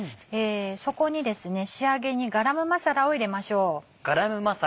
そこにですね仕上げにガラムマサラを入れましょう。